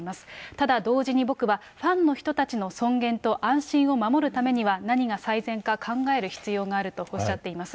ただ同時に僕はファンの人たちの尊厳と安心を守るためには何が最善か考える必要があるとおっしゃっています。